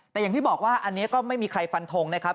แต่อย่างที่บอกว่าอันนี้ก็ไม่มีใครฟันทงนะครับ